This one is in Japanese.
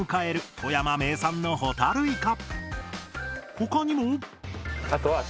他にも。